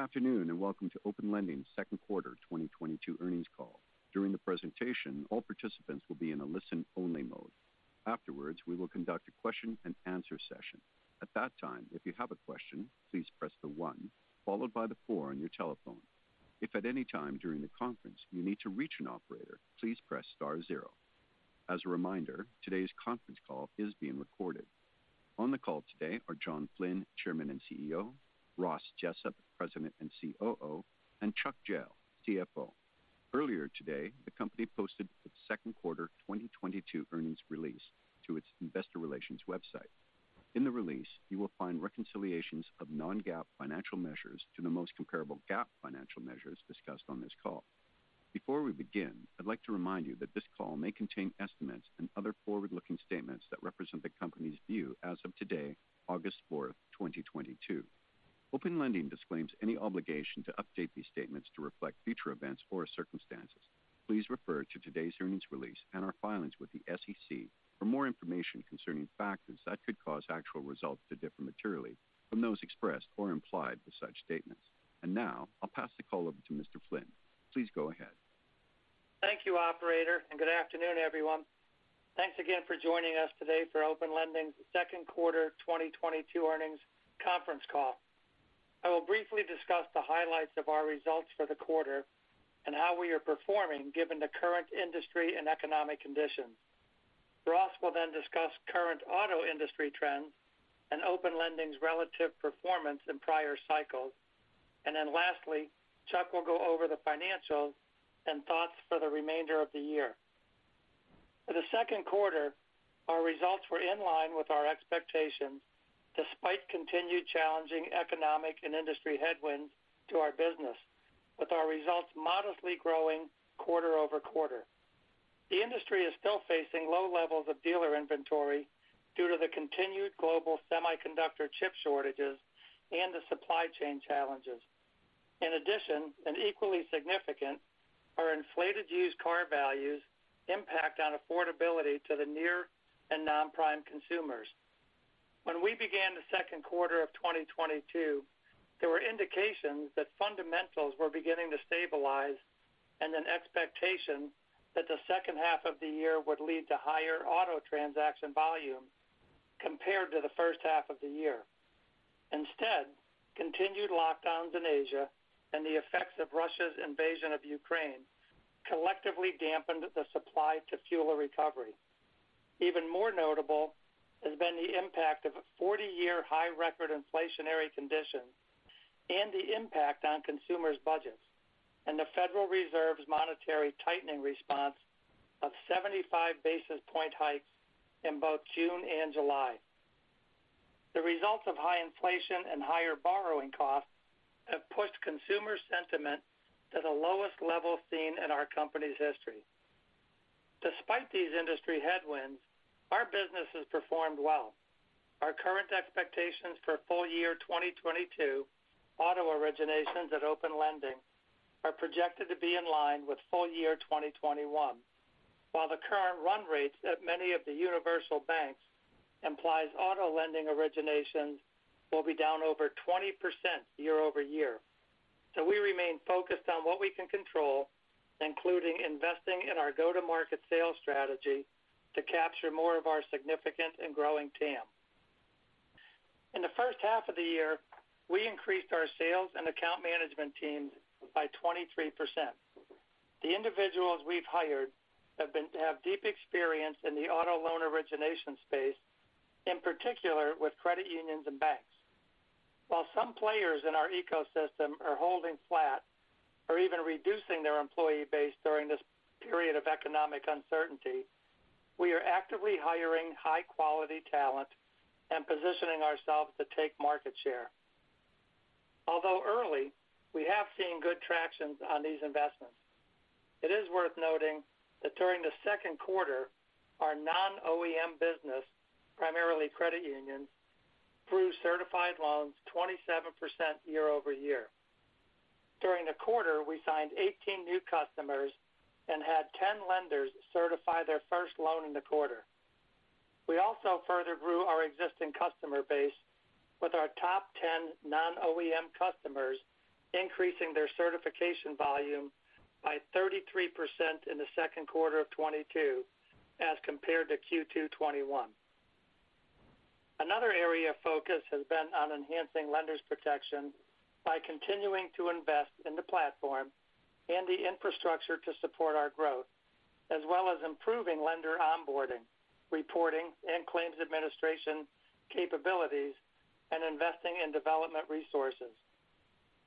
Good afternoon, and welcome to Open Lending second quarter 2022 earnings call. During the presentation, all participants will be in a listen-only mode. Afterwards, we will conduct a question-and-answer session. At that time, if you have a question, please press one followed by four on your telephone. If at any time during the conference you need to reach an operator, please press star zero. As a reminder, today's conference call is being recorded. On the call today are John Flynn, Chairman and CEO, Ross Jessup, President and COO, and Chuck Jehl, CFO. Earlier today, the company posted its second quarter 2022 earnings release to its Investor Relations website. In the release, you will find reconciliations of non-GAAP financial measures to the most comparable GAAP financial measures discussed on this call. Before we begin, I'd like to remind you that this call may contain estimates and other forward-looking statements that represent the company's view as of today, August 4, 2022. Open Lending disclaims any obligation to update these statements to reflect future events or circumstances. Please refer to today's earnings release and our filings with the SEC for more information concerning factors that could cause actual results to differ materially from those expressed or implied with such statements. Now, I'll pass the call over to Mr. Flynn. Please go ahead. Thank you, operator, and good afternoon, everyone. Thanks again for joining us today for Open Lending second quarter 2022 earnings conference call. I will briefly discuss the highlights of our results for the quarter and how we are performing given the current industry and economic conditions. Ross will then discuss current auto industry trends and Open Lending's relative performance in prior cycles. Then lastly, Chuck will go over the financials and thoughts for the remainder of the year. For the second quarter, our results were in line with our expectations, despite continued challenging economic and industry headwinds to our business, with our results modestly growing quarter over quarter. The industry is still facing low levels of dealer inventory due to the continued global semiconductor chip shortages and the supply chain challenges. In addition, and equally significant, our inflated used car values impact on affordability to the near and non-prime consumers. When we began the second quarter of 2022, there were indications that fundamentals were beginning to stabilize and an expectation that the second half of the year would lead to higher auto transaction volume compared to the first half of the year. Instead, continued lockdowns in Asia and the effects of Russia's invasion of Ukraine collectively dampened the supply to fuel a recovery. Even more notable has been the impact of a 40-year high record inflationary condition and the impact on consumers' budgets, and the Federal Reserve's monetary tightening response of 75 basis point hikes in both June and July. The results of high inflation and higher borrowing costs have pushed consumer sentiment to the lowest level seen in our company's history. Despite these industry headwinds, our business has performed well. Our current expectations for full year 2022 auto originations at Open Lending are projected to be in line with full year 2021. While the current run rates at many of the universal banks implies auto lending originations will be down over 20% year-over-year. We remain focused on what we can control, including investing in our go-to-market sales strategy to capture more of our significant and growing TAM. In the first half of the year, we increased our sales and account management teams by 23%. The individuals we've hired have deep experience in the auto loan origination space, in particular with credit unions and banks. While some players in our ecosystem are holding flat or even reducing their employee base during this period of economic uncertainty, we are actively hiring high-quality talent and positioning ourselves to take market share. Although early, we have seen good traction on these investments. It is worth noting that during the second quarter, our non-OEM business, primarily credit unions, grew certified loans 27% year-over-year. During the quarter, we signed 18 new customers and had 10 lenders certify their first loan in the quarter. We also further grew our existing customer base with our top 10 non-OEM customers, increasing their certification volume by 33% in the second quarter of 2022 as compared to Q2 2021. Another area of focus has been on enhancing lenders' protection by continuing to invest in the platform and the infrastructure to support our growth, as well as improving lender onboarding, reporting, and claims administration capabilities, and investing in development resources.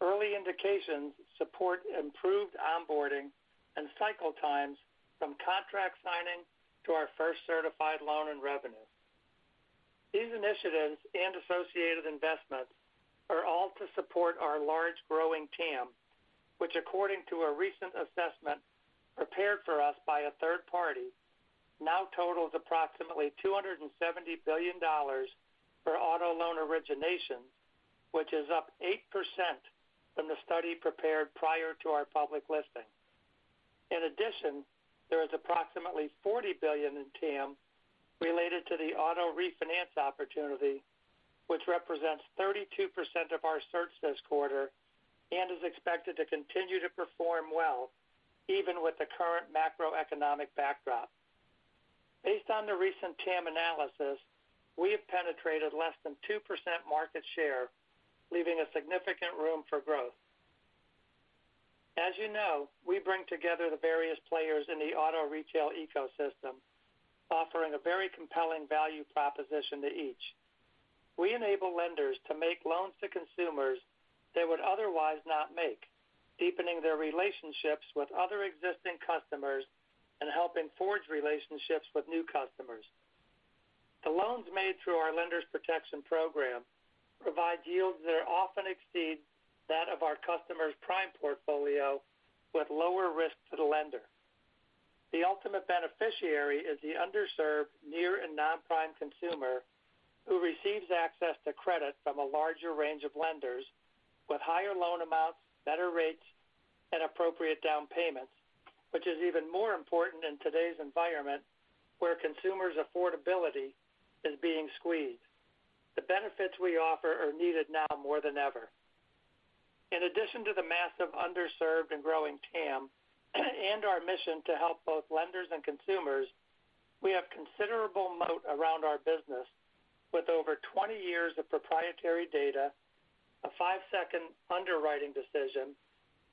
Early indications support improved onboarding and cycle times from contract signing to our first certified loan and revenue. These initiatives and associated investments are all to support our large growing TAM, which according to a recent assessment prepared for us by a third party, now totals approximately $270 billion for auto loan originations, which is up 8% from the study prepared prior to our public listing. In addition, there is approximately $40 billion in TAM related to the auto refinance opportunity, which represents 32% of our search this quarter and is expected to continue to perform well even with the current macroeconomic backdrop. Based on the recent TAM analysis, we have penetrated less than 2% market share, leaving a significant room for growth. As you know, we bring together the various players in the auto retail ecosystem, offering a very compelling value proposition to each. We enable lenders to make loans to consumers they would otherwise not make, deepening their relationships with other existing customers and helping forge relationships with new customers. The loans made through our Lenders Protection Program provide yields that often exceed that of our customers prime portfolio with lower risk to the lender. The ultimate beneficiary is the underserved near and non-prime consumer who receives access to credit from a larger range of lenders with higher loan amounts, better rates, and appropriate down payments, which is even more important in today's environment where consumers' affordability is being squeezed. The benefits we offer are needed now more than ever. In addition to the massive underserved and growing TAM and our mission to help both lenders and consumers, we have considerable moat around our business with over 20 years of proprietary data, a five-second underwriting decision,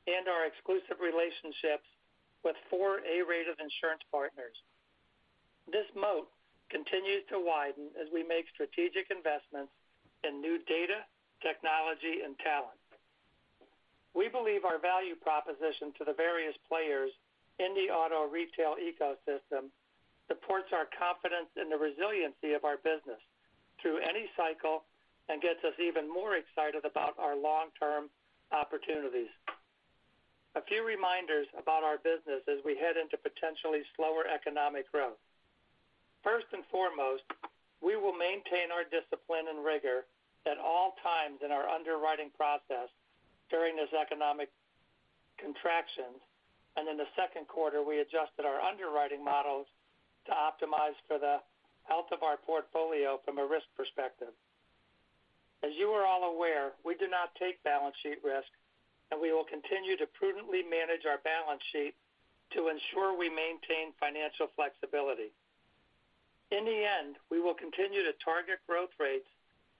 and our exclusive relationships with four A-rated insurance partners. This moat continues to widen as we make strategic investments in new data, technology, and talent. We believe our value proposition to the various players in the auto retail ecosystem supports our confidence in the resiliency of our business through any cycle and gets us even more excited about our long-term opportunities. A few reminders about our business as we head into potentially slower economic growth. First and foremost, we will maintain our discipline and rigor at all times in our underwriting process during this economic contraction. In the second quarter, we adjusted our underwriting models to optimize for the health of our portfolio from a risk perspective. As you are all aware, we do not take balance sheet risk, and we will continue to prudently manage our balance sheet to ensure we maintain financial flexibility. In the end, we will continue to target growth rates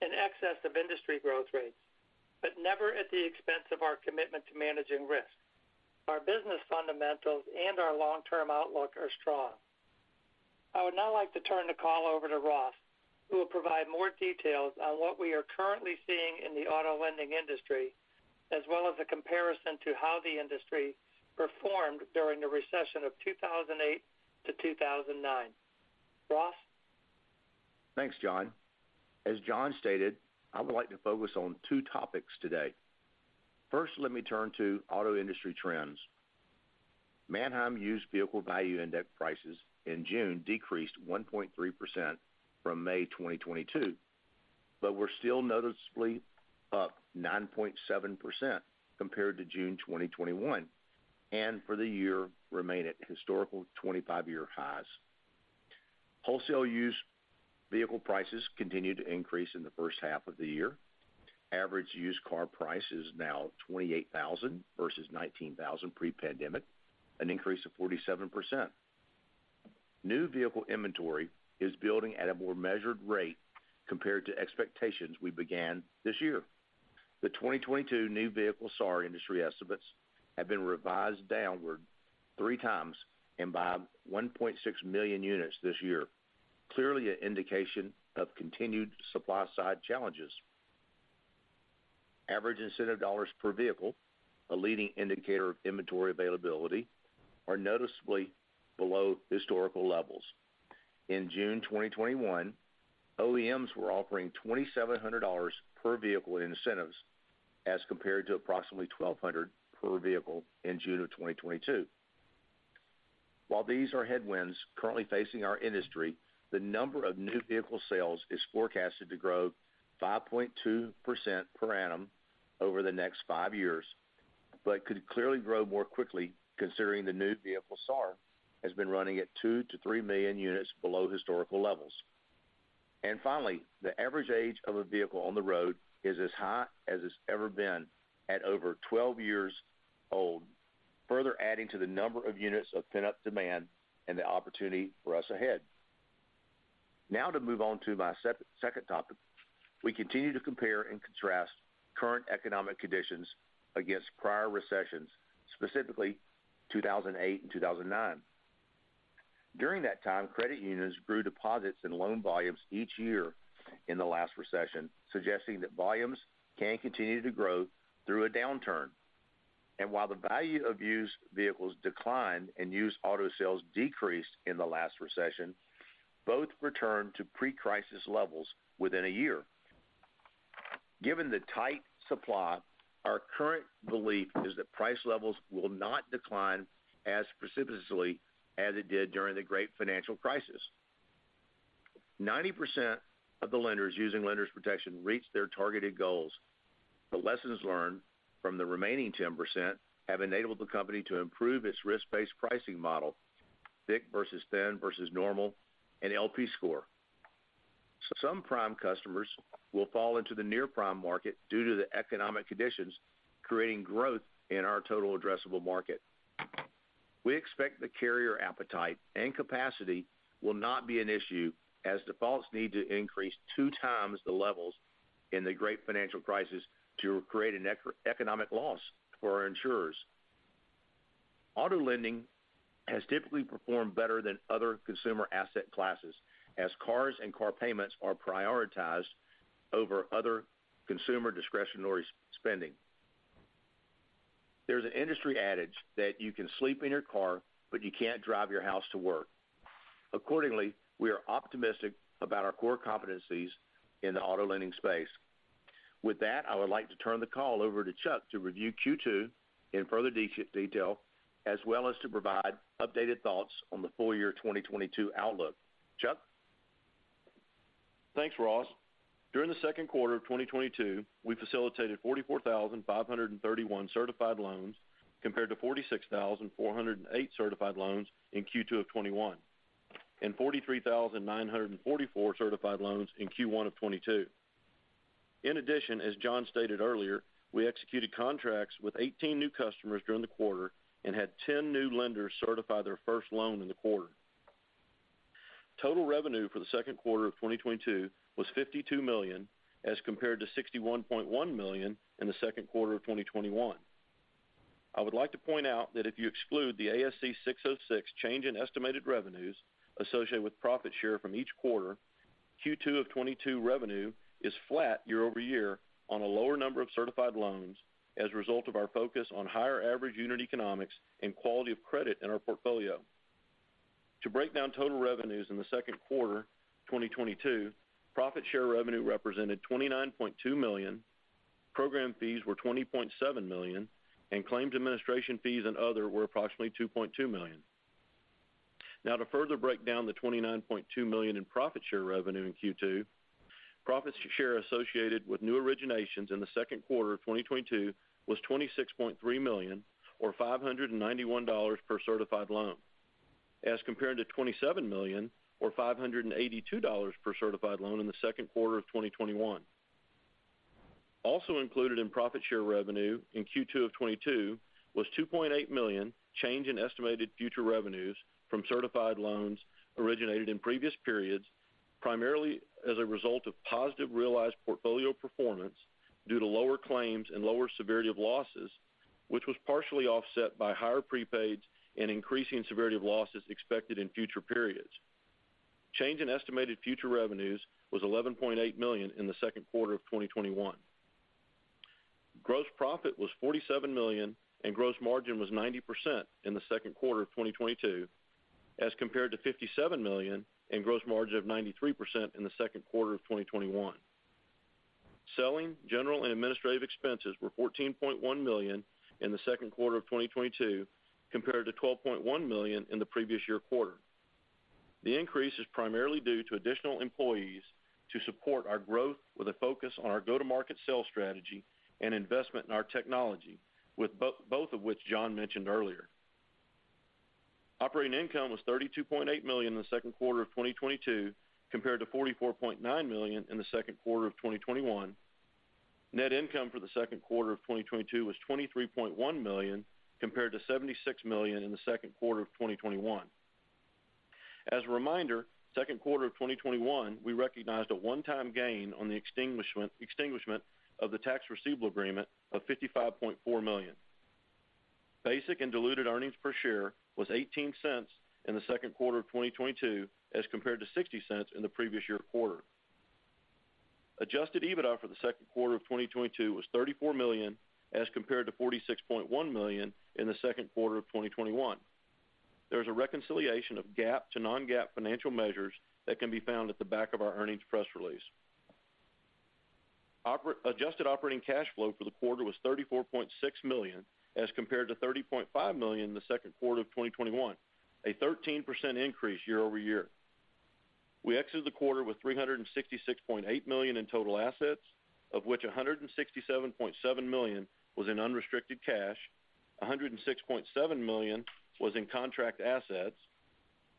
in excess of industry growth rates, but never at the expense of our commitment to managing risk. Our business fundamentals and our long-term outlook are strong. I would now like to turn the call over to Ross, who will provide more details on what we are currently seeing in the auto lending industry, as well as a comparison to how the industry performed during the recession of 2008-2009. Ross? Thanks, John. As John stated, I would like to focus on two topics today. First, let me turn to auto industry trends. Manheim Used Vehicle Value Index prices in June decreased 1.3% from May 2022, but were still noticeably up 9.7% compared to June 2021. For the year remain at historical 25-year highs. Wholesale used vehicle prices continued to increase in the first half of the year. Average used car price is now 28,000 versus 19,000 pre-pandemic, an increase of 47%. New vehicle inventory is building at a more measured rate compared to expectations we began this year. The 2022 new vehicle SAR industry estimates have been revised downward three times and by 1.6 million units this year, clearly an indication of continued supply-side challenges. Average incentive dollars per vehicle, a leading indicator of inventory availability, are noticeably below historical levels. In June 2021, OEMs were offering $2,700 per vehicle in incentives as compared to approximately $1,200 per vehicle in June 2022. While these are headwinds currently facing our industry, the number of new vehicle sales is forecasted to grow 5.2% per annum over the next five years, but could clearly grow more quickly considering the new vehicle SAR has been running at 2 million-3 million units below historical levels. Finally, the average age of a vehicle on the road is as high as it's ever been at over 12 years old, further adding to the number of units of pent-up demand and the opportunity for us ahead. Now to move on to my second topic. We continue to compare and contrast current economic conditions against prior recessions, specifically 2008 and 2009. During that time, credit unions grew deposits and loan volumes each year in the last recession, suggesting that volumes can continue to grow through a downturn. While the value of used vehicles declined and used auto sales decreased in the last recession, both returned to pre-crisis levels within a year. Given the tight supply, our current belief is that price levels will not decline as precipitously as it did during the great financial crisis. 90% of the lenders using Lenders Protection reach their targeted goals. The lessons learned from the remaining 10% have enabled the company to improve its risk-based pricing model, thick versus thin versus normal, and LP Score. Some prime customers will fall into the near-prime market due to the economic conditions creating growth in our total addressable market. We expect the carrier appetite and capacity will not be an issue as defaults need to increase 2x the levels in the Great Financial Crisis to create an economic loss for our insurers. Auto lending has typically performed better than other consumer asset classes as cars and car payments are prioritized over other consumer discretionary spending. There's an industry adage that you can sleep in your car, but you can't drive your house to work. Accordingly, we are optimistic about our core competencies in the auto lending space. With that, I would like to turn the call over to Chuck to review Q2 in further detail, as well as to provide updated thoughts on the full year 2022 outlook. Chuck? Thanks, Ross. During the second quarter of 2022, we facilitated 44,531 certified loans compared to 46,408 certified loans in Q2 of 2021, and 43,944 certified loans in Q1 of 2022. In addition, as John stated earlier, we executed contracts with 18 new customers during the quarter and had 10 new lenders certify their first loan in the quarter. Total revenue for the second quarter of 2022 was $52 million, as compared to $61.1 million in the second quarter of 2021. I would like to point out that if you exclude the ASC 606 change in estimated revenues associated with profit share from each quarter, Q2 of 2022 revenue is flat year over year on a lower number of certified loans as a result of our focus on higher average unit economics and quality of credit in our portfolio. To break down total revenues in the second quarter 2022, profit share revenue represented $29.2 million, program fees were $20.7 million, and claims administration fees and other were approximately $2.2 million. Now to further break down the $29.2 million in profit share revenue in Q2, profit share associated with new originations in the second quarter of 2022 was $26.3 million or $591 per certified loan, as compared to $27 million or $582 per certified loan in the second quarter of 2021. Also included in profit share revenue in Q2 of 2022 was $2.8 million change in estimated future revenues from certified loans originated in previous periods, primarily as a result of positive realized portfolio performance due to lower claims and lower severity of losses, which was partially offset by higher prepaids and increasing severity of losses expected in future periods. Change in estimated future revenues was $11.8 million in the second quarter of 2021. Gross profit was $47 million and gross margin was 90% in the second quarter of 2022, as compared to $57 million and gross margin of 93% in the second quarter of 2021. Selling, general, and administrative expenses were $14.1 million in the second quarter of 2022, compared to $12.1 million in the previous year quarter. The increase is primarily due to additional employees to support our growth with a focus on our go-to-market sales strategy and investment in our technology, with both of which John mentioned earlier. Operating income was $32.8 million in the second quarter of 2022, compared to $44.9 million in the second quarter of 2021. Net income for the second quarter of 2022 was $23.1 million, compared to $76 million in the second quarter of 2021. As a reminder, second quarter of 2021, we recognized a one-time gain on the extinguishment of the Tax Receivable Agreement of $55.4 million. Basic and diluted earnings per share was $0.18 in the second quarter of 2022, as compared to $0.60 in the previous year quarter. Adjusted EBITDA for the second quarter of 2022 was $34 million, as compared to $46.1 million in the second quarter of 2021. There is a reconciliation of GAAP to non-GAAP financial measures that can be found at the back of our earnings press release. Adjusted operating cash flow for the quarter was $34.6 million, as compared to $30.5 million in the second quarter of 2021, a 13% increase year-over-year. We exited the quarter with $366.8 million in total assets, of which $167.7 million was in unrestricted cash, $106.7 million was in contract assets,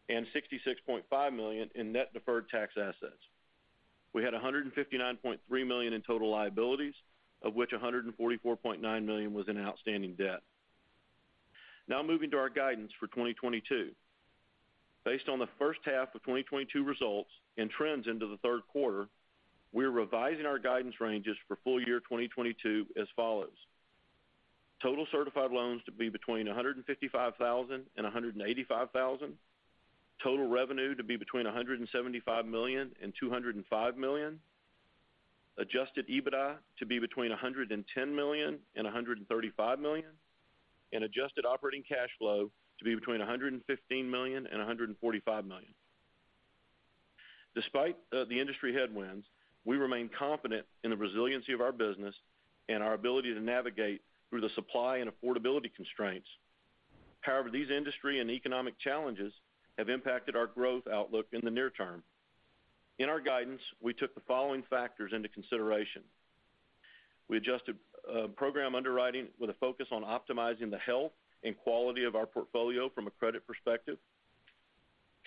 and $66.5 million in net deferred tax assets. We had $159.3 million in total liabilities, of which $144.9 million was in outstanding debt. Now moving to our guidance for 2022. Based on the first half of 2022 results and trends into the third quarter, we're revising our guidance ranges for full year 2022 as follows. Total certified loans to be between 155,000-185,000, total revenue to be between $175 million-$205 million, adjusted EBITDA to be between $110 million-$135 million, and adjusted operating cash flow to be between $115 million-$145 million. Despite the industry headwinds, we remain confident in the resiliency of our business and our ability to navigate through the supply and affordability constraints. However, these industry and economic challenges have impacted our growth outlook in the near term. In our guidance, we took the following factors into consideration. We adjusted program underwriting with a focus on optimizing the health and quality of our portfolio from a credit perspective,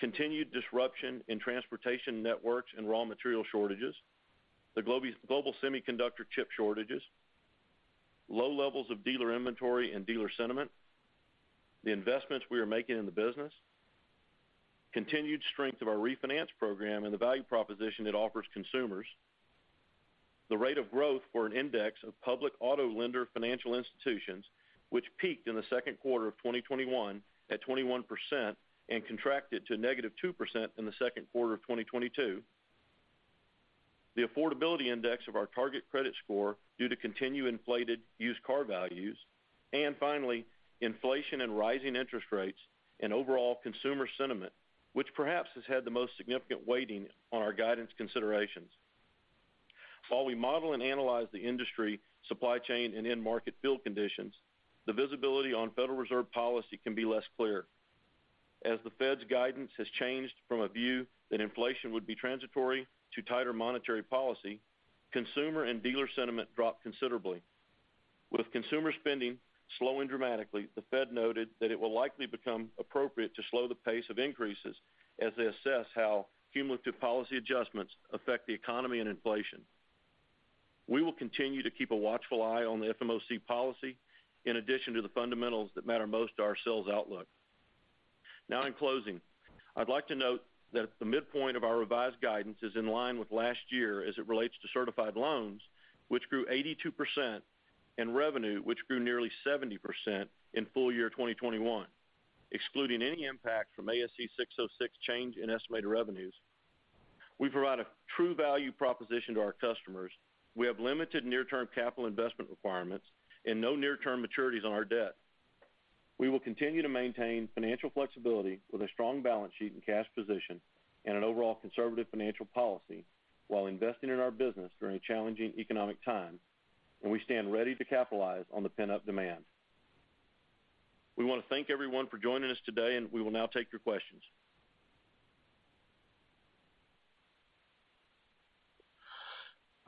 continued disruption in transportation networks and raw material shortages, the global semiconductor chip shortages, low levels of dealer inventory and dealer sentiment, the investments we are making in the business, continued strength of our refinance program and the value proposition it offers consumers, the rate of growth for an index of public auto lender financial institutions, which peaked in the second quarter of 2021 at 21% and contracted to -2% in the second quarter of 2022, the affordability index of our target credit score due to continued inflated used car values, and finally, inflation and rising interest rates and overall consumer sentiment, which perhaps has had the most significant weighting on our guidance considerations. While we model and analyze the industry supply chain and end market field conditions, the visibility on Federal Reserve policy can be less clear. As the Fed's guidance has changed from a view that inflation would be transitory to tighter monetary policy, consumer and dealer sentiment dropped considerably. With consumer spending slowing dramatically, the Fed noted that it will likely become appropriate to slow the pace of increases as they assess how cumulative policy adjustments affect the economy and inflation. We will continue to keep a watchful eye on the FOMC policy in addition to the fundamentals that matter most to our sales outlook. Now, in closing, I'd like to note that the midpoint of our revised guidance is in line with last year as it relates to certified loans, which grew 82%, and revenue, which grew nearly 70% in full year 2021, excluding any impact from ASC 606 change in estimated revenues. We provide a true value proposition to our customers. We have limited near-term capital investment requirements and no near-term maturities on our debt. We will continue to maintain financial flexibility with a strong balance sheet and cash position and an overall conservative financial policy while investing in our business during a challenging economic time, and we stand ready to capitalize on the pent-up demand. We want to thank everyone for joining us today, and we will now take your questions.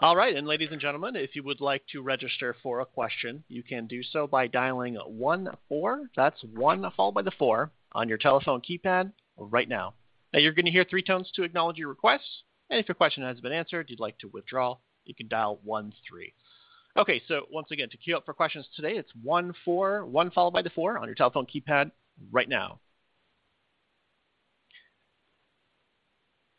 All right. Ladies and gentlemen, if you would like to register for a question, you can do so by dialing one four. That's one, followed by the four on your telephone keypad right now. Now, you're going to hear three tones to acknowledge your request. If your question has been answered, you'd like to withdraw, you can dial one three. Okay. Once again, to queue up for questions today, it's one four, one followed by the four on your telephone keypad right now.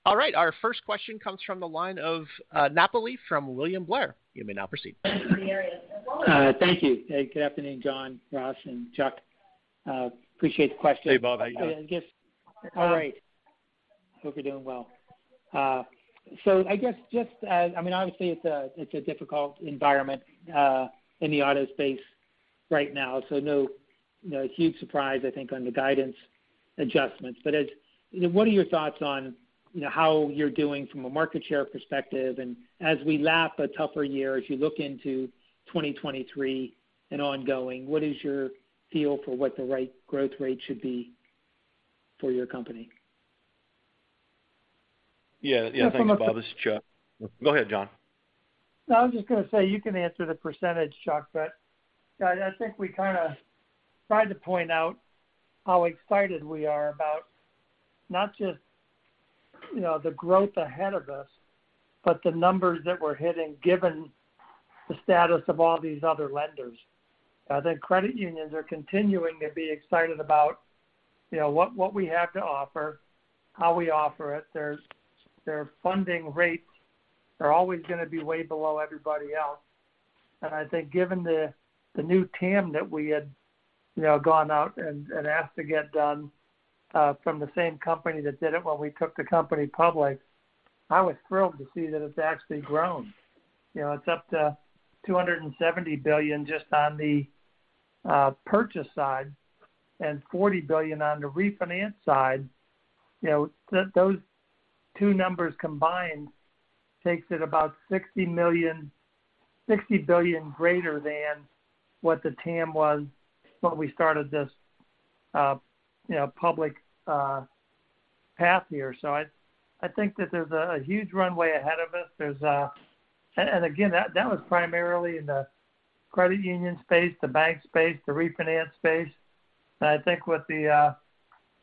All right, our first question comes from the line of Napoli from William Blair. You may now proceed. Thank you. Hey, good afternoon, John, Ross, and Chuck. Appreciate the question. Hey, Bob. How you doing? I guess. All right. Hope you're doing well. So I guess just, I mean, obviously it's a difficult environment in the auto space right now, so no, you know, huge surprise, I think, on the guidance adjustments. As you know, what are your thoughts on, you know, how you're doing from a market share perspective? As we lap a tougher year, as you look into 2023 and ongoing, what is your feel for what the right growth rate should be for your company? Yeah- Just from a- Yeah. Thanks, Bob. This is Chuck. Go ahead, John. No, I was just gonna say, you can answer the percentage, Chuck, but I think we kind of tried to point out how excited we are about not just, you know, the growth ahead of us, but the numbers that we're hitting given the status of all these other lenders. The credit unions are continuing to be excited about, you know, what we have to offer, how we offer it. Their funding rates are always gonna be way below everybody else. I think given the new TAM that we had, you know, gone out and asked to get done from the same company that did it when we took the company public, I was thrilled to see that it's actually grown. You know, it's up to $270 billion just on the purchase side and $40 billion on the refinance side. You know, those two numbers combined takes it about $60 billion greater than what the TAM was when we started this, you know, public path here. So I think that there's a huge runway ahead of us. Again, that was primarily in the credit union space, the bank space, the refinance space. I think with the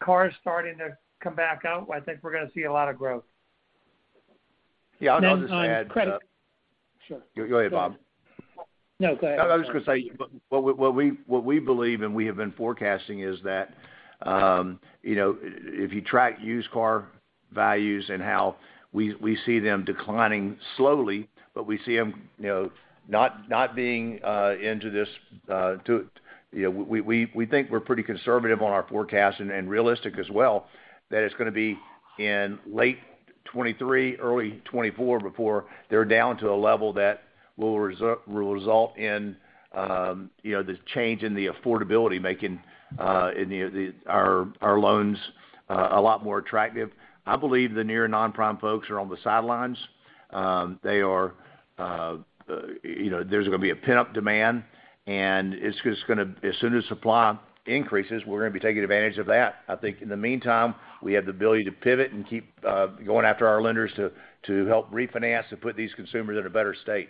cars starting to come back out, I think we're gonna see a lot of growth. Yeah, I'll just add. On credit- Sure. Go ahead, Bob. No, go ahead. I was just gonna say what we believe and we have been forecasting is that you know if you track used car values and how we see them declining slowly but we see them you know. You know we think we're pretty conservative on our forecast and realistic as well that it's gonna be in late 2023 early 2024 before they're down to a level that will result in you know the change in the affordability making in the our loans. A lot more attractive. I believe the near non-prime folks are on the sidelines. They are, you know, there's going to be a pent-up demand, and it's just gonna, as soon as supply increases, we're gonna be taking advantage of that. I think in the meantime, we have the ability to pivot and keep going after our lenders to help refinance and put these consumers in a better state.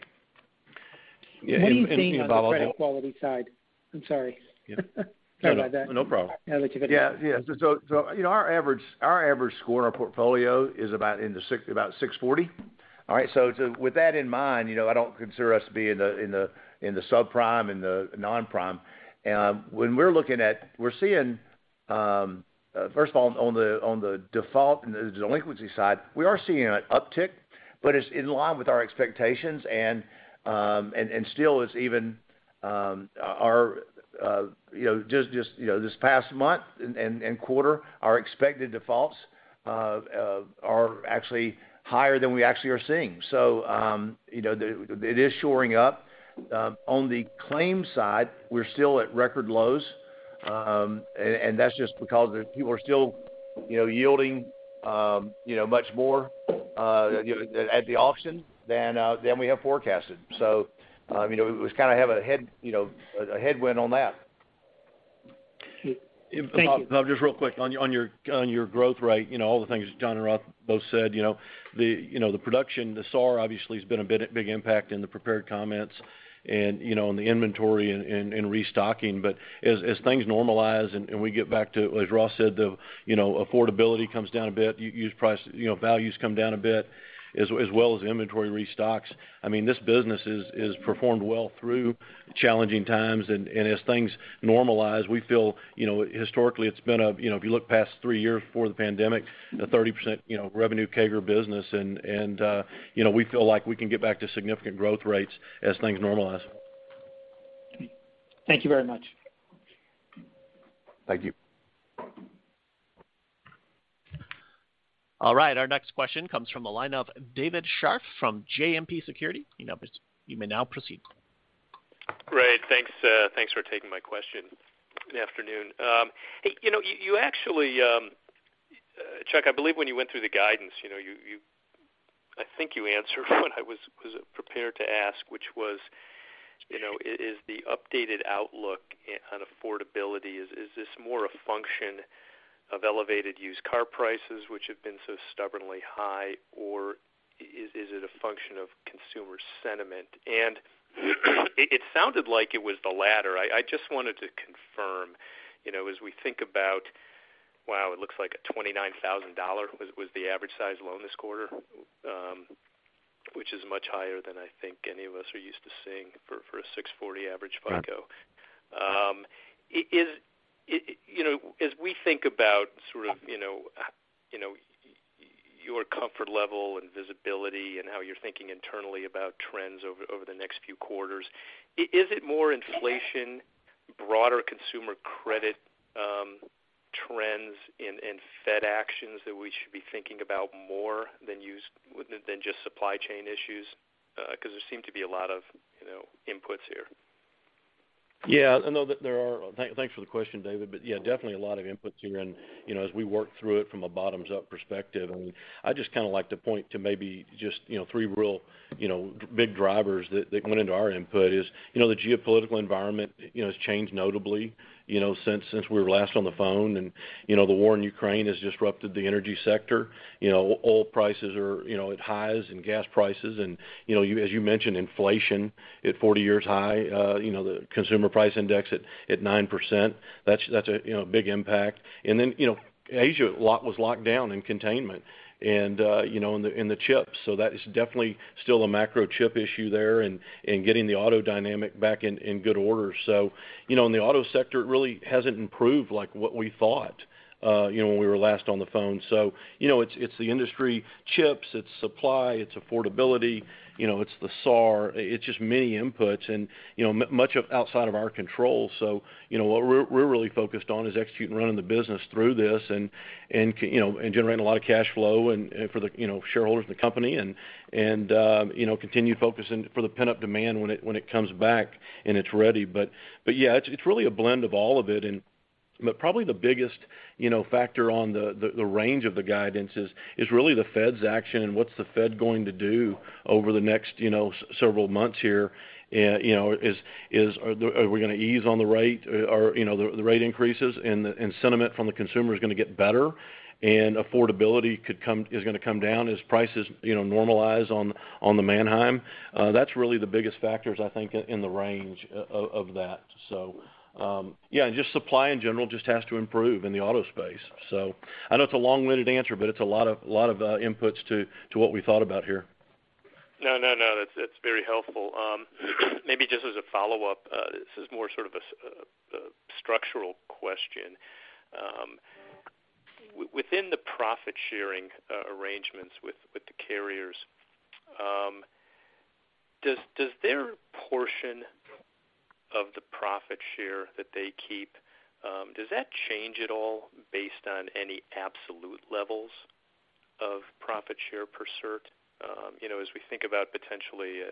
What are you seeing on the credit quality side? I'm sorry. Sorry about that. No problem. I let you go ahead. Yeah, you know, our average score in our portfolio is about 640. All right. With that in mind, you know, I don't consider us to be in the subprime and the non-prime. When we're seeing first of all, on the default and the delinquency side, we are seeing an uptick, but it's in line with our expectations and still is even our you know just you know this past month and quarter, our expected defaults are actually higher than we actually are seeing. You know, it is shoring up. On the claim side, we're still at record lows. That's just because the people are still, you know, yielding, you know, much more, you know, at the auction than we have forecasted. You know, we kind of have, you know, a headwind on that. Thank you. Bob, just real quick. On your growth rate, you know, all the things John and Ross both said, you know, the production, the SAR obviously has been a big impact in the prepared comments and, you know, in the inventory and restocking. As things normalize and we get back to, as Ross said, you know, affordability comes down a bit, used price, you know, values come down a bit as well as inventory restocks. I mean, this business has performed well through challenging times. As things normalize, we feel, you know, historically it's been a, you know, if you look past three years before the pandemic, a 30%, you know, revenue CAGR business and, you know, we feel like we can get back to significant growth rates as things normalize. Thank you very much. Thank you. All right, our next question comes from the line of David Scharf from JMP Securities. You may now proceed. Great. Thanks for taking my question. Good afternoon. Hey, you know, you actually, Chuck, I believe when you went through the guidance, you know, you. I think you answered what I was prepared to ask, which was, you know, is the updated outlook on affordability, is this more a function of elevated used car prices which have been so stubbornly high, or is it a function of consumer sentiment? It sounded like it was the latter. I just wanted to confirm, you know, as we think about, wow, it looks like a $29,000 was the average size loan this quarter, which is much higher than I think any of us are used to seeing for a 640 average FICO. You know, as we think about sort of, you know, your comfort level and visibility and how you're thinking internally about trends over the next few quarters, is it more inflation, broader consumer credit, trends in Fed actions that we should be thinking about more than just supply chain issues? Because there seem to be a lot of, you know, inputs here. Thanks for the question, David. Yeah, definitely a lot of inputs here. You know, as we work through it from a bottoms-up perspective, I'd just kind of like to point to maybe just, you know, three real, you know, big drivers that went into our input is, you know, the geopolitical environment, you know, has changed notably, you know, since we were last on the phone. You know, the war in Ukraine has disrupted the energy sector. Oil prices are, you know, at highs and gas prices. You know, as you mentioned, inflation at 40-year high. You know, the Consumer Price Index at 9%. That's a, you know, big impact. You know, Asia was locked down in containment and, you know, in the chips. That is definitely still a macro chip issue there and getting the auto demand back in good order. You know, in the auto sector, it really hasn't improved like what we thought, you know, when we were last on the phone. You know, it's the industry chips, it's supply, it's affordability, you know, it's the SAR. It's just many inputs and, you know, outside of our control. You know, what we're really focused on is executing and running the business through this, you know, and generating a lot of cash flow for the, you know, shareholders in the company, you know, continue focusing for the pent-up demand when it comes back and it's ready. Yeah, it's really a blend of all of it. But probably the biggest, you know, factor on the range of the guidance is really the Fed's action and what's the Fed going to do over the next, you know, several months here. You know, are we going to ease on the rate or, you know, the rate increases and sentiment from the consumer is going to get better and affordability is going to come down as prices, you know, normalize on the Manheim. That's really the biggest factors, I think, in the range of that. Yeah, just supply in general just has to improve in the auto space. I know it's a long-winded answer, but it's a lot of inputs to what we thought about here. No, that's very helpful. Maybe just as a follow-up, this is more sort of a structural question. Within the profit sharing arrangements with the carriers, does their portion of the profit share that they keep, does that change at all based on any absolute levels of profit share per cert? You know, as we think about potentially,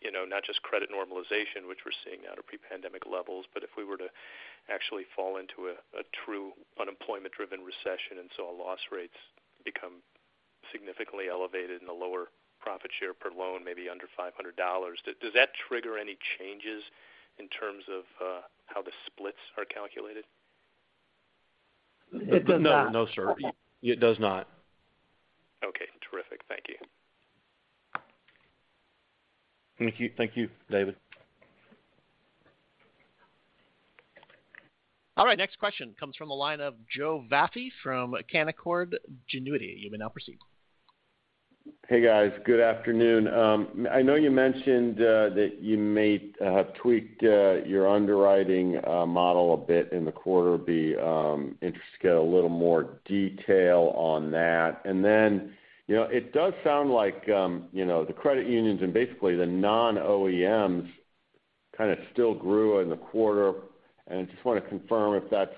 you know, not just credit normalization, which we're seeing now, to pre-pandemic levels, but if we were to actually fall into a true unemployment-driven recession and so our loss rates become significantly elevated and then lower profit share per loan, maybe under $500, does that trigger any changes in terms of how the splits are calculated? It does not. No. No, sir. It does not. Okay. Terrific. Thank you. Thank you. Thank you, David. All right, next question comes from the line of Joe Vafi from Canaccord Genuity. You may now proceed. Hey, guys. Good afternoon. I know you mentioned that you may have tweaked your underwriting model a bit in the quarter. Interested to get a little more detail on that. You know, it does sound like you know the credit unions and basically the non-OEMs kind of still grew in the quarter, and I just wanna confirm if that's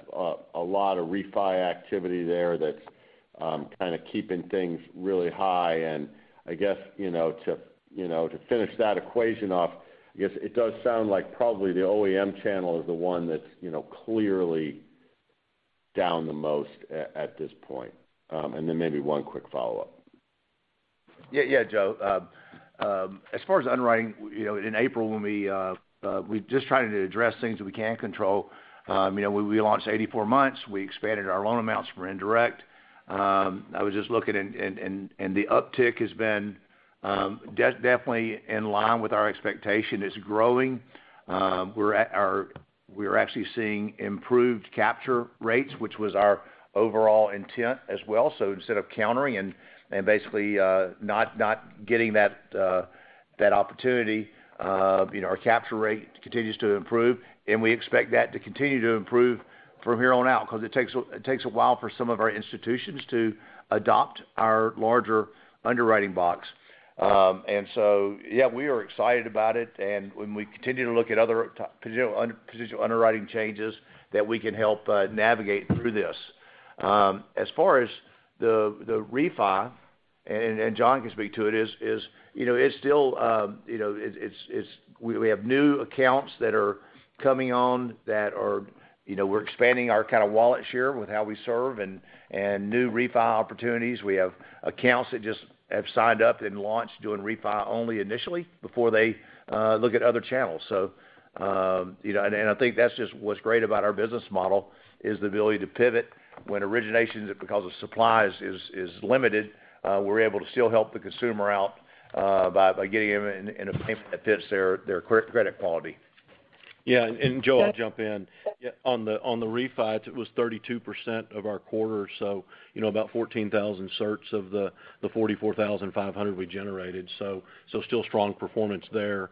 a lot of refi activity there that's kind of keeping things really high. I guess you know to finish that equation off, I guess it does sound like probably the OEM channel is the one that's you know clearly down the most at this point. Maybe one quick follow-up. Yeah. Yeah, Joe. As far as underwriting, you know, in April when we're just trying to address things that we can't control. You know, we launched 84 months. We expanded our loan amounts for indirect. I was just looking and the uptick has been definitely in line with our expectation. It's growing. We're actually seeing improved capture rates, which was our overall intent as well. Instead of countering and basically not getting that opportunity, you know, our capture rate continues to improve, and we expect that to continue to improve from here on out 'cause it takes a while for some of our institutions to adopt our larger underwriting box. Yeah, we are excited about it. When we continue to look at other, you know, underwriting changes that we can help navigate through this. As far as the refi, and John can speak to it, you know, it's still, you know, it's. We have new accounts that are coming on, you know, we're expanding our kind of wallet share with how we serve and new refi opportunities. We have accounts that just have signed up and launched doing refi only initially before they look at other channels. You know, I think that's just what's great about our business model, is the ability to pivot when originations, because the supply is limited, we're able to still help the consumer out by getting them in a payment that fits their credit quality. Yeah. Joe, I'll jump in. On the refis, it was 32% of our quarter, you know, about 14,000 certs of the 44,500 we generated. Still strong performance there.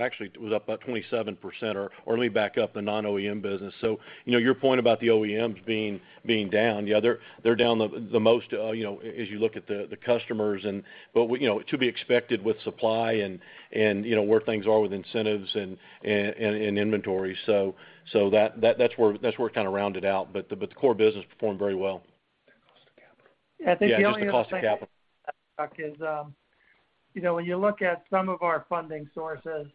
Actually, it was up about 27% or let me back up, the non-OEM business. You know, your point about the OEMs being down, yeah, they're down the most, you know, as you look at the customers and. You know, to be expected with supply and you know, where things are with incentives and inventory. That's where it kind of rounded out. The core business performed very well. The cost of capital. Yeah, just the cost of capital. I think some, you know, when you look at some of our funding sources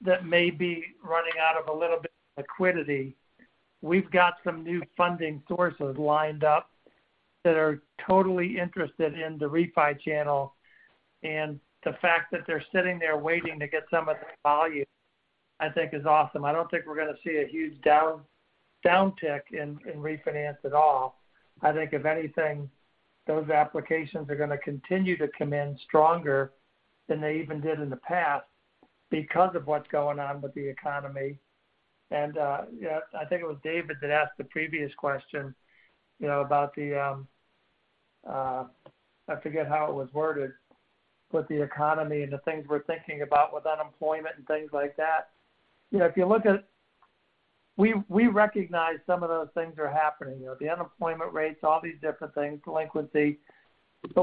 that may be running out of a little bit of liquidity, we've got some new funding sources lined up that are totally interested in the refi channel. The fact that they're sitting there waiting to get some of the value, I think is awesome. I don't think we're gonna see a huge down tick in refinance at all. I think if anything, those applications are gonna continue to come in stronger than they even did in the past because of what's going on with the economy. Yeah, I think it was David that asked the previous question, you know, about the I forget how it was worded, but the economy and the things we're thinking about with unemployment and things like that. You know, if you look at. We recognize some of those things are happening. You know, the unemployment rates, all these different things, delinquency.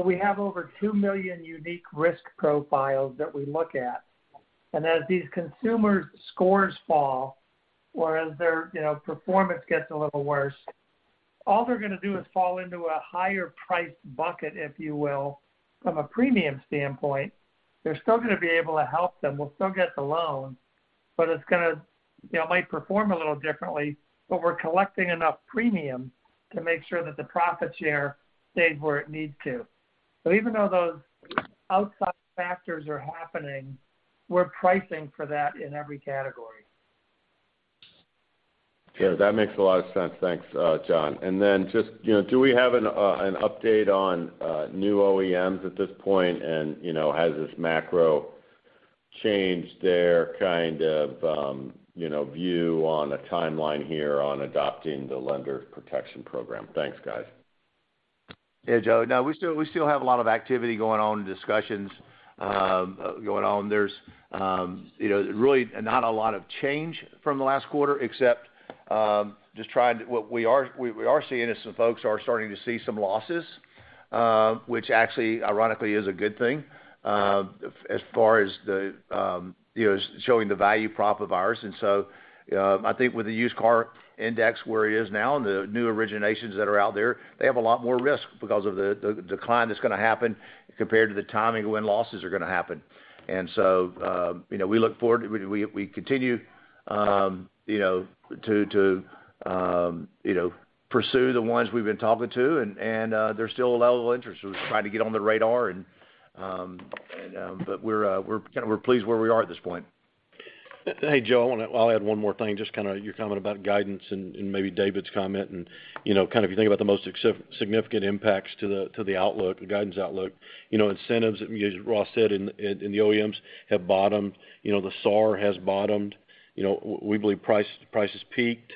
We have over 2 million unique risk profiles that we look at. As these consumers' scores fall, or as their, you know, performance gets a little worse, all they're gonna do is fall into a higher priced bucket, if you will. From a premium standpoint, we're still gonna be able to help them. We'll still get the loan, but it's gonna. You know, it might perform a little differently, but we're collecting enough premium to make sure that the profit share stays where it needs to. Even though those outside factors are happening, we're pricing for that in every category. Yeah, that makes a lot of sense. Thanks, John. Then just, you know, do we have an update on new OEMs at this point? You know, has this macro changed their kind of view on a timeline here on adopting the Lenders Protection Program? Thanks, guys. Yeah, Joe. No, we still have a lot of activity going on and discussions going on. There's, you know, really not a lot of change from the last quarter except What we are seeing is some folks are starting to see some losses, which actually ironically is a good thing, as far as the, you know, showing the value prop of ours. I think with the used car index where it is now and the new originations that are out there, they have a lot more risk because of the decline that's gonna happen compared to the timing when losses are gonna happen. We look forward. We continue, you know, to, you know, pursue the ones we've been talking to, and there's still a level of interest. We're trying to get on the radar and. We're kind of pleased where we are at this point. Hey, Joe, I'll add one more thing, just kinda your comment about guidance and maybe David's comment and, you know, kind of you think about the most significant impacts to the outlook, the guidance outlook. You know, incentives, as Ross said in the OEMs, have bottomed. You know, the SAR has bottomed. You know, we believe prices peaked.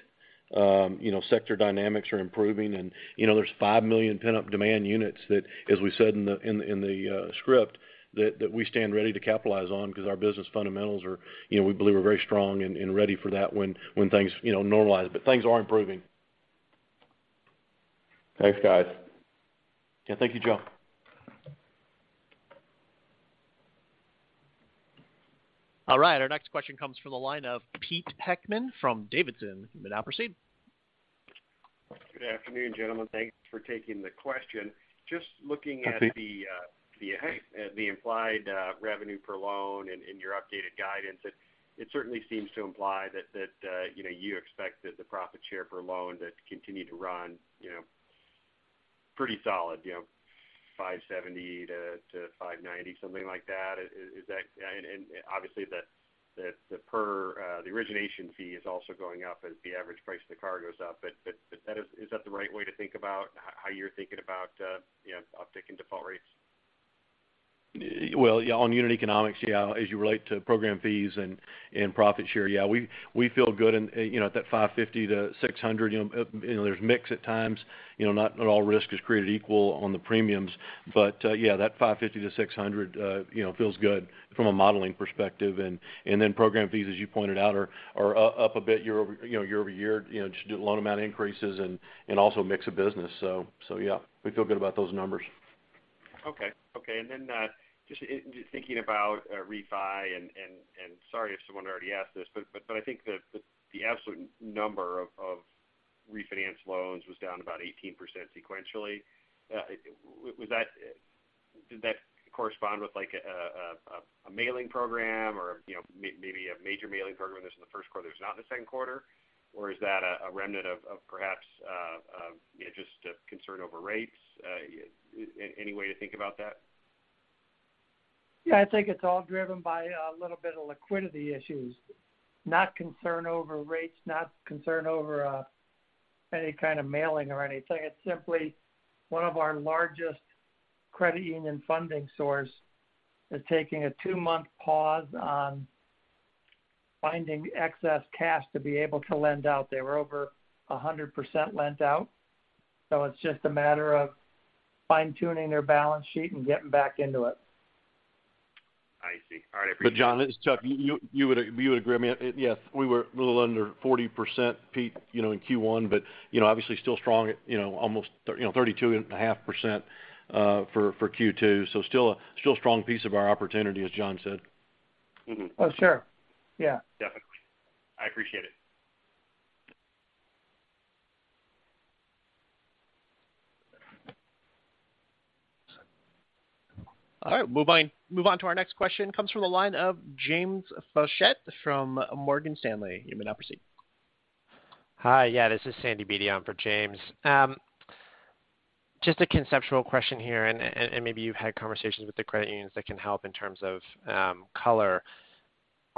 You know, sector dynamics are improving and, you know, there's 5 million pent-up demand units that, as we said in the script, that we stand ready to capitalize on because our business fundamentals are, you know, we believe are very strong and ready for that when things, you know, normalize. Things are improving. Thanks, guys. Yeah. Thank you, Joe. All right, our next question comes from the line of Pete Heckmann from Davidson. You may now proceed. Good afternoon, gentlemen. Thanks for taking the question. Just looking at the Hi, Pete. The implied revenue per loan and your updated guidance, it certainly seems to imply that you expect that the profit share per loan to continue to run, you know, pretty solid, you know, $570-$590, something like that. Is that? Obviously, the origination fee is also going up as the average price of the car goes up. That is. Is that the right way to think about how you're thinking about, you know, uptick in default rates? Well, yeah, on unit economics, yeah, as you relate to program fees and profit share. Yeah, we feel good and, you know, at that $550-$600, you know, there's mix at times, you know, not all risk is created equal on the premiums. But yeah, that $550-$600, you know, feels good from a modeling perspective. And then program fees, as you pointed out, are up a bit year-over-year, you know, just loan amount increases and also mix of business. Yeah, we feel good about those numbers. Just thinking about refi and sorry if someone already asked this, but I think the absolute number of refinance loans was down about 18% sequentially. Did that correspond with like a mailing program or, you know, maybe a major mailing program that's in the first quarter that's not in the second quarter? Or is that a remnant of perhaps, you know, just a concern over rates? Any way to think about that? Yeah. I think it's all driven by a little bit of liquidity issues, not concern over rates, not concern over any kind of meltdown or anything. It's simply one of our largest credit union funding source is taking a two-month pause on funding excess cash to be able to lend out. They were over 100% lent out. It's just a matter of fine-tuning their balance sheet and getting back into it. I see. All right. I appreciate it. John, this is Chuck. You would agree with me. Yes, we were a little under 40% peak, you know, in Q1, but, you know, obviously still strong at, you know, almost 32.5%, for Q2. Still a strong piece of our opportunity, as John said. Mm-hmm. Oh, sure. Yeah. Definitely. I appreciate it. All right, move on to our next question, comes from the line of James Faucette from Morgan Stanley. You may now proceed. Hi. Yeah, this is Sandy Beatty on for James. Just a conceptual question here, and maybe you've had conversations with the credit unions that can help in terms of color.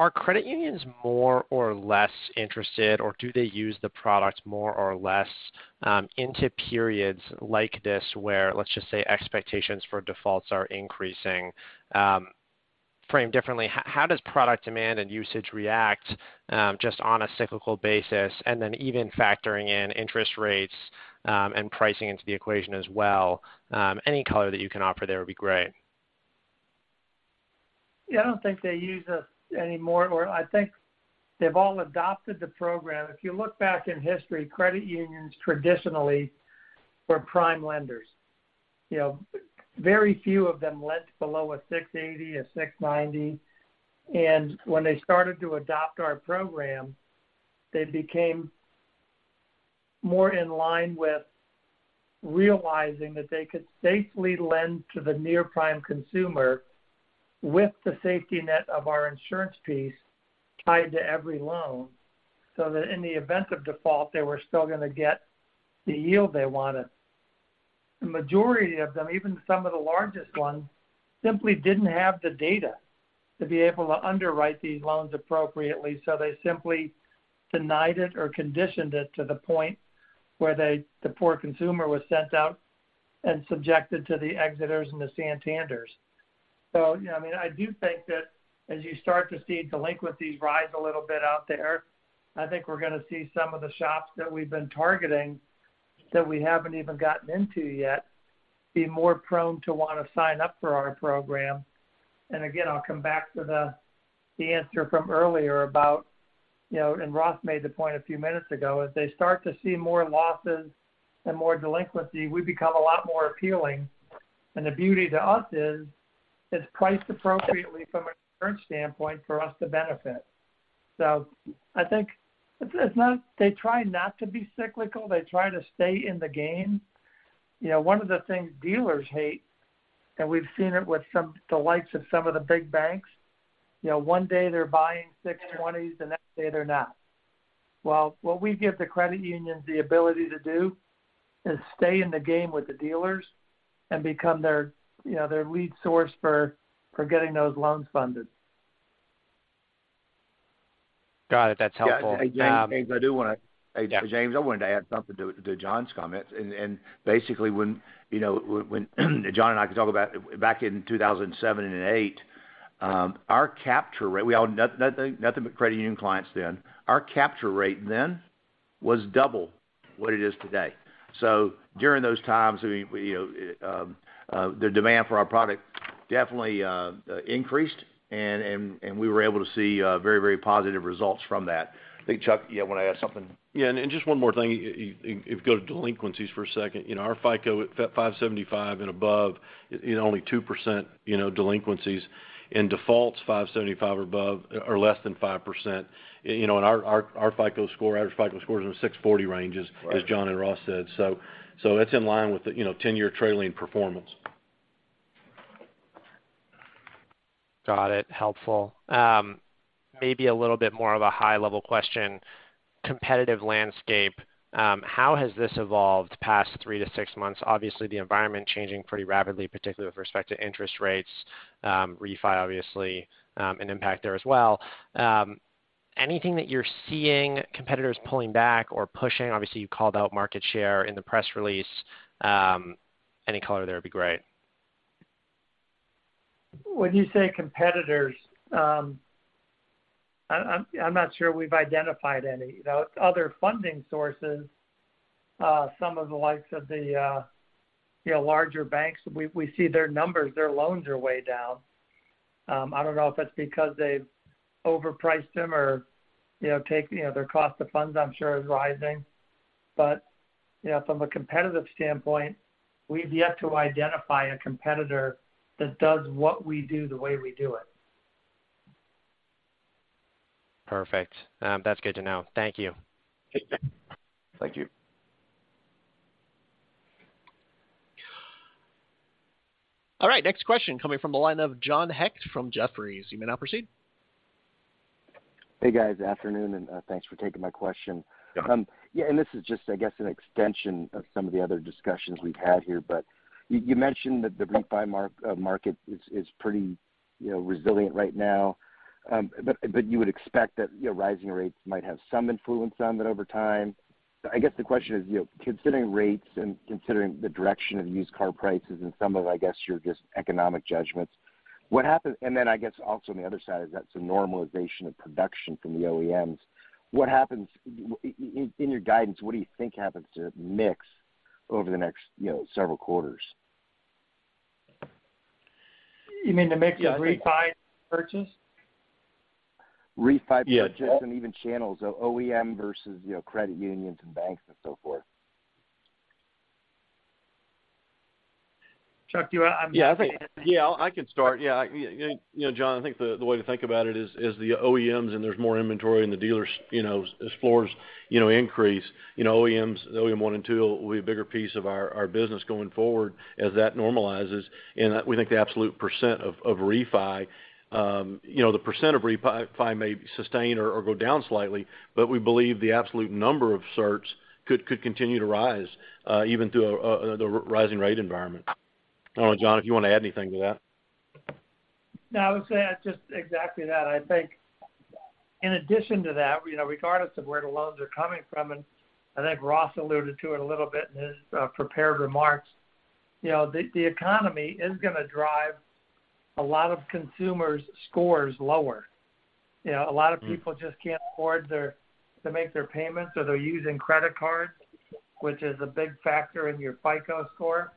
Are credit unions more or less interested, or do they use the products more or less into periods like this where, let's just say, expectations for defaults are increasing? Framed differently, how does product demand and usage react just on a cyclical basis and then even factoring in interest rates and pricing into the equation as well? Any color that you can offer there would be great. Yeah, I don't think they use us any more, or I think they've all adopted the program. If you look back in history, credit unions traditionally were prime lenders. You know, very few of them lent below a 680, a 690. When they started to adopt our program, they became more in line with realizing that they could safely lend to the near-prime consumer with the safety net of our insurance piece tied to every loan, so that in the event of default, they were still gonna get the yield they wanted. The majority of them, even some of the largest ones, simply didn't have the data to be able to underwrite these loans appropriately, so they simply denied it or conditioned it to the point where the poor consumer was sent out and subjected to the Exeter and the Santander. you know, I mean, I do think that as you start to see delinquencies rise a little bit out there, I think we're gonna see some of the shops that we've been targeting, that we haven't even gotten into yet. Be more prone to want to sign up for our program. Again, I'll come back to the answer from earlier about, you know, and Ross made the point a few minutes ago, as they start to see more losses and more delinquency, we become a lot more appealing. The beauty to us is it's priced appropriately from a current standpoint for us to benefit. I think it's not. They try not to be cyclical. They try to stay in the game. You know, one of the things dealers hate, and we've seen it with some, the likes of some of the big banks, you know, one day they're buying 620, the next day they're not. Well, what we give the credit unions the ability to do is stay in the game with the dealers and become their, you know, their lead source for getting those loans funded. Got it. That's helpful. Yeah. Hey, Sandy, I do wanna. Yeah. Hey, Sandy, I wanted to add something to John's comments. Basically, when you know, when John and I can talk about back in 2007 and 2008, our capture rate, nothing but credit union clients then. Our capture rate then was double what it is today. During those times, I mean, we you know, the demand for our product definitely increased, and we were able to see very positive results from that. I think, Chuck, you wanna add something. Just one more thing. If you go to delinquencies for a second, you know, our FICO at 575 and above is only 2%, you know, delinquencies. In defaults, 575 or above are less than 5%. You know, our FICO score, average FICO score is in the 640 range. Right as John and Ross said. It's in line with the, you know, ten-year trailing performance. Got it. Helpful. Maybe a little bit more of a high level question. Competitive landscape, how has this evolved the past three to six months? Obviously, the environment changing pretty rapidly, particularly with respect to interest rates, refi, obviously, an impact there as well. Anything that you're seeing competitors pulling back or pushing? Obviously, you called out market share in the press release. Any color there would be great. When you say competitors, I'm not sure we've identified any. You know, other funding sources, some of the likes of the, you know, larger banks, we see their numbers, their loans are way down. I don't know if that's because they've overpriced them or, you know, their cost of funds, I'm sure, is rising. You know, from a competitive standpoint, we've yet to identify a competitor that does what we do the way we do it. Perfect. That's good to know. Thank you. Thank you. All right, next question coming from the line of John Hecht from Jefferies. You may now proceed. Hey, guys. Afternoon, and thanks for taking my question. Yeah. This is just, I guess, an extension of some of the other discussions we've had here. You mentioned that the refi market is pretty, you know, resilient right now. You would expect that, you know, rising rates might have some influence on that over time. I guess the question is, you know, considering rates and considering the direction of used car prices and some of, I guess, your just economic judgments, what happens. Then I guess also on the other side of that, some normalization of production from the OEMs. What happens. In your guidance, what do you think happens to mix over the next, you know, several quarters? You mean the mix of refi purchase? Refi purchase Yeah even channels, OEM versus, you know, credit unions and banks and so forth. Chuck, do you wanna Yeah, I think I can start. You know, John, I think the way to think about it is the OEMs and there's more inventory and the dealers, you know, as floors increase, you know, OEMs, OEM one and two will be a bigger piece of our business going forward as that normalizes. We think the absolute percent of refi, you know, the percent of refi may sustain or go down slightly, but we believe the absolute number of certs could continue to rise even through the rising rate environment. I don't know, John, if you want to add anything to that. No, I would say just exactly that. I think in addition to that, you know, regardless of where the loans are coming from, and I think Ross alluded to it a little bit in his prepared remarks, you know, the economy is gonna drive a lot of consumers' scores lower. You know, a lot of people just can't afford to make their payments, so they're using credit cards, which is a big factor in your FICO score.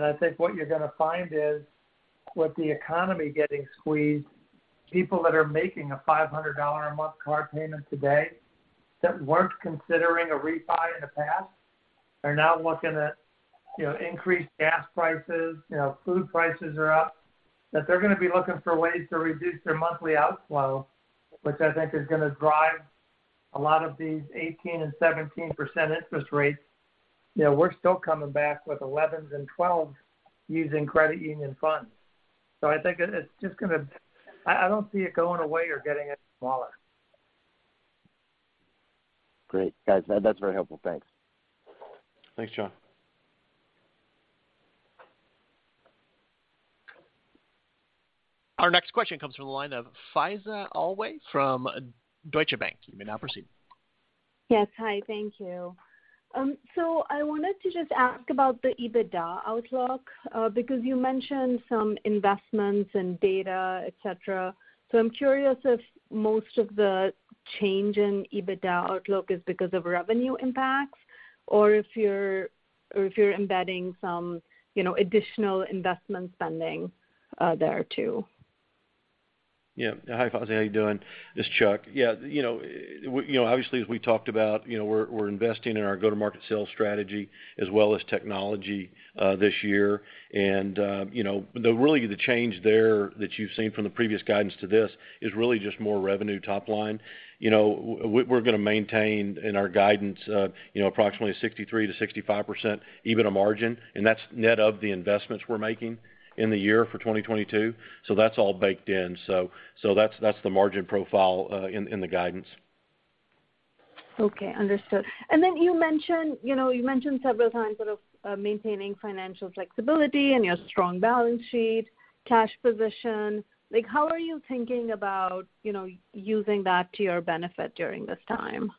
I think what you're gonna find is with the economy getting squeezed, people that are making a $500 a month car payment today that weren't considering a refi in the past are now looking at, you know, increased gas prices, you know, food prices are up, that they're gonna be looking for ways to reduce their monthly outflow, which I think is gonna drive a lot of these 18% and 17% interest rates. You know, we're still coming back with 11s and 12s using credit union funds. I think it's just gonna. I don't see it going away or getting any smaller. Great. Guys, that's very helpful. Thanks. Thanks, John. Our next question comes from the line of Faiza Alwy from Deutsche Bank. You may now proceed. Yes. Hi, thank you. I wanted to just ask about the EBITDA outlook, because you mentioned some investments in data, et cetera. I'm curious if most of the change in EBITDA outlook is because of revenue impacts or if you're embedding some, you know, additional investment spending, there too? Yeah. Hi, Faiza. How you doing? It's Chuck. Yeah. You know, obviously, as we talked about, you know, we're investing in our go-to-market sales strategy as well as technology this year. You know, the change there that you've seen from the previous guidance to this is really just more revenue top line. You know, we're gonna maintain in our guidance, you know, approximately 63%-65% EBITDA margin, and that's net of the investments we're making in the year for 2022. That's all baked in. That's the margin profile in the guidance. Okay. Understood. You mentioned, you know, several times sort of maintaining financial flexibility and your strong balance sheet, cash position. Like, how are you thinking about, you know, using that to your benefit during this time?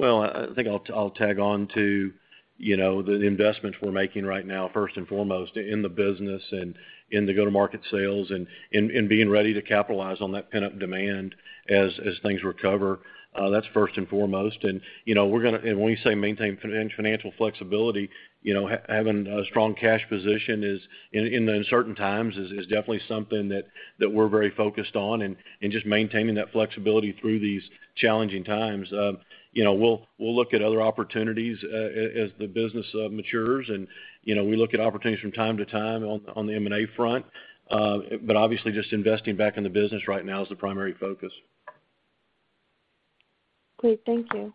I think I'll tag on to, you know, the investments we're making right now, first and foremost in the business and in the go-to-market sales and being ready to capitalize on that pent-up demand as things recover. That's first and foremost. You know, we're gonna. When we say maintain financial flexibility, you know, having a strong cash position is in uncertain times is definitely something that we're very focused on and just maintaining that flexibility through these challenging times. You know, we'll look at other opportunities as the business matures. You know, we look at opportunities from time to time on the M&A front. But obviously just investing back in the business right now is the primary focus. Great. Thank you.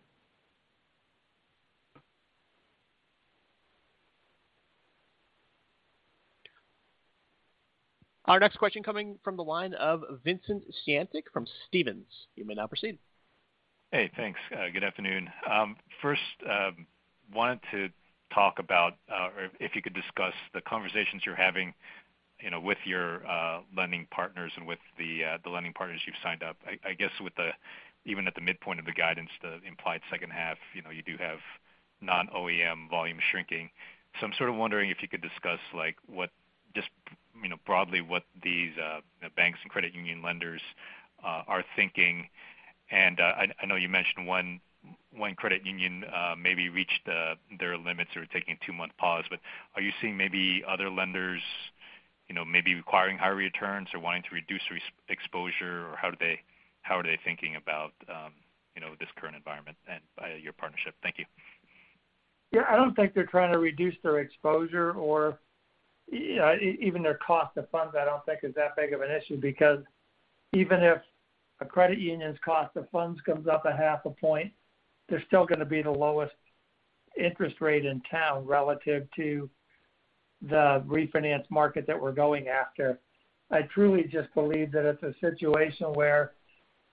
Our next question coming from the line of Vincent Caintic from Stephens. You may now proceed. Hey, thanks. Good afternoon. First, wanted to talk about or if you could discuss the conversations you're having, you know, with your lending partners and with the lending partners you've signed up. I guess, even at the midpoint of the guidance, the implied second half, you know, you do have non-OEM volume shrinking. I'm sort of wondering if you could discuss, like, what just, you know, broadly what these banks and credit union lenders are thinking. I know you mentioned one credit union maybe reached their limits or taking a two-month pause. Are you seeing maybe other lenders, you know, maybe requiring higher returns or wanting to reduce risk exposure? How are they thinking about, you know, this current environment and your partnership? Thank you. Yeah, I don't think they're trying to reduce their exposure or, you know, even their cost of funds. I don't think is that big of an issue because even if a credit union's cost of funds comes up a half a point, they're still gonna be the lowest interest rate in town relative to the refinance market that we're going after. I truly just believe that it's a situation where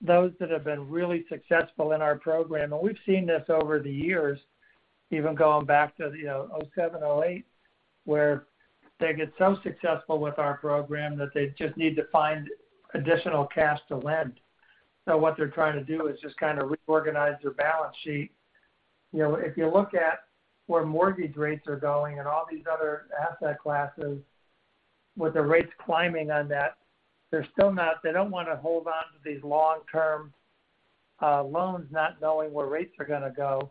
those that have been really successful in our program, and we've seen this over the years, even going back to, you know, 2007, 2008, where they get so successful with our program that they just need to find additional cash to lend. What they're trying to do is just kind of reorganize their balance sheet. You know, if you look at where mortgage rates are going and all these other asset classes with the rates climbing on that, they're still not. They don't wanna hold on to these long-term loans not knowing where rates are gonna go.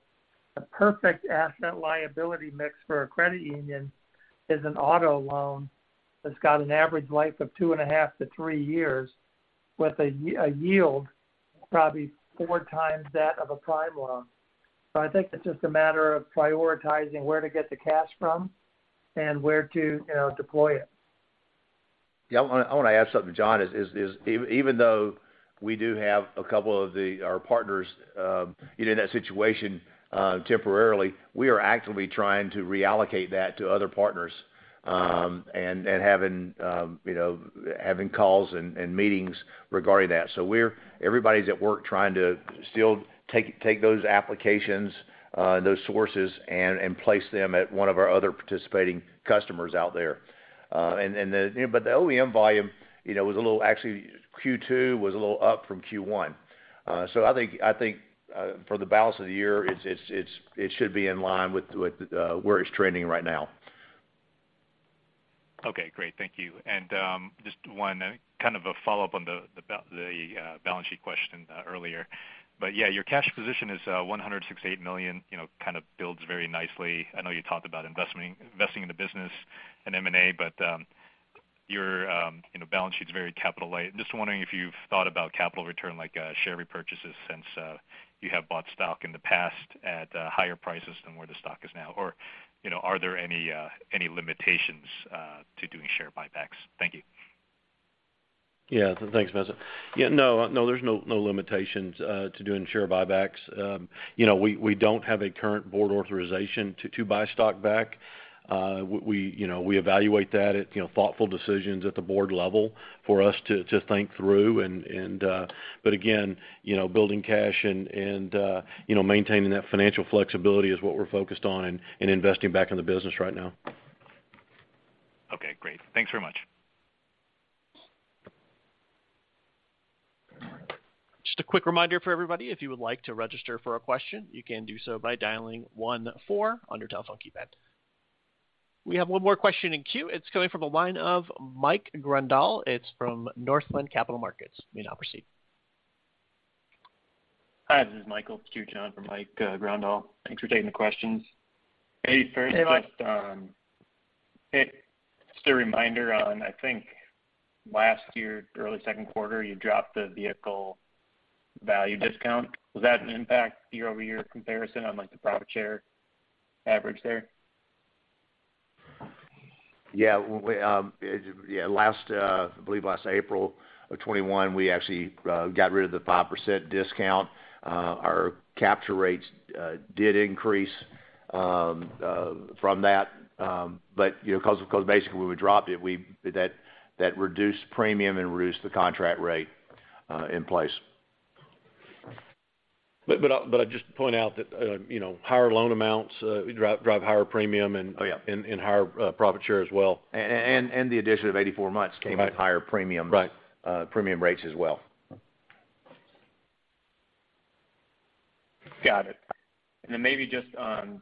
The perfect asset liability mix for a credit union is an auto loan that's got an average life of 2.5-3 years with a yield probably 4x that of a prime loan. I think it's just a matter of prioritizing where to get the cash from and where to, you know, deploy it. Yeah. I wanna add something to John. Even though we do have a couple of our partners in that situation temporarily, we are actively trying to reallocate that to other partners and having you know calls and meetings regarding that. We're everybody's at work trying to still take those applications those sources and place them at one of our other participating customers out there. You know, but the OEM volume you know was a little. Actually, Q2 was a little up from Q1. I think for the balance of the year, it should be in line with where it's trending right now. Okay, great. Thank you. Just one kind of a follow-up on the balance sheet question earlier. Yeah, your cash position is $168 million, you know, kind of builds very nicely. I know you talked about investing in the business in M&A, but your, you know, balance sheet's very capital light. Just wondering if you've thought about capital return like share repurchases since you have bought stock in the past at higher prices than where the stock is now, or, you know, are there any limitations to doing share buybacks? Thank you. Thanks, Vincent. No, there's no limitations to doing share buybacks. You know, we don't have a current board authorization to buy stock back. You know, we evaluate that, thoughtful decisions at the board level for us to think through. Again, you know, building cash and you know maintaining that financial flexibility is what we're focused on and investing back in the business right now. Okay, great. Thanks very much. Just a quick reminder for everybody, if you would like to register for a question, you can do so by dialing one four on your telephone keypad. We have one more question in queue. It's coming from the line of Mike Grondahl. It's from Northland Capital Markets. You may now proceed. Hi, this is Michael St. John from Mike Grondahl. Thanks for taking the questions. Hey, Michael. Hey, just a reminder on, I think last year, early second quarter, you dropped the vehicle value discount. Does that impact year-over-year comparison on, like, the profit share average there? Yeah. I believe last April of 2021, we actually got rid of the 5% discount. Our capture rates did increase from that. You know, because basically when we dropped it, that reduced premium and reduced the contract rate in place. I'd just point out that you know higher loan amounts drive higher premium and Oh, yeah. higher profit share as well. the addition of 84 months. Right came with higher premiums. Right Premium rates as well. Got it. Maybe just on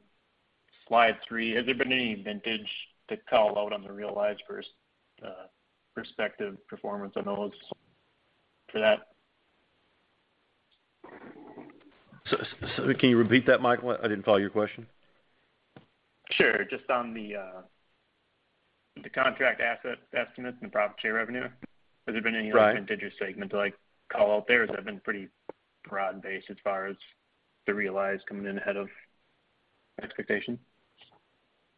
slide three, has there been any vintage to call out on the realized versus respective performance on those for that? Can you repeat that, Michael? I didn't follow your question. Sure. Just on the contract asset estimates and the profit share revenue. Has there been any other? Right vintage segment to, like, call out there? Or has that been pretty broad-based as far as the realized coming in ahead of expectation?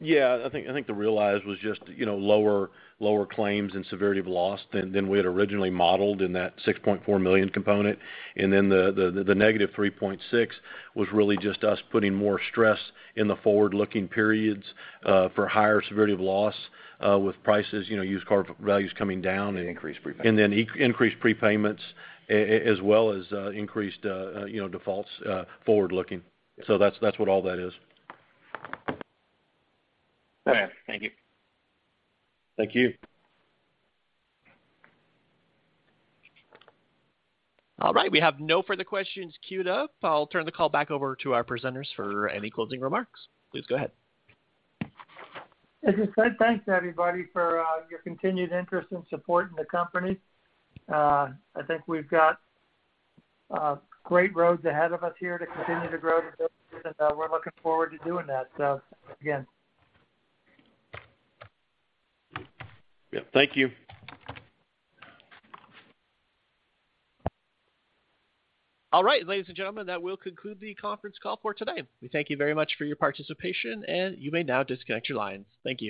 Yeah, I think the realized was just, you know, lower claims and severity of loss than we had originally modeled in that $6.4 million component. Then the negative $3.6 million was really just us putting more stress in the forward-looking periods for higher severity of loss with prices, you know, used car values coming down and- Increased prepayments increased prepayments as well as increased, you know, defaults forward-looking. That's what all that is. Okay. Thank you. Thank you. All right. We have no further questions queued up. I'll turn the call back over to our presenters for any closing remarks. Please go ahead. I just said thanks to everybody for your continued interest and support in the company. I think we've got great roads ahead of us here to continue to grow the business, and we're looking forward to doing that. Yeah, thank you. All right, ladies and gentlemen, that will conclude the conference call for today. We thank you very much for your participation, and you may now disconnect your lines. Thank you.